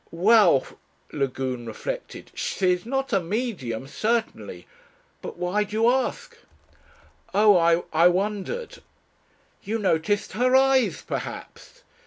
"Well," Lagune reflected, "She is not a medium, certainly. But why do you ask?" "Oh!... I wondered." "You noticed her eyes perhaps.